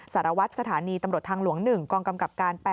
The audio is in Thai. สารวัตรสถานีตำรวจทางหลวง๑กองกำกับการ๘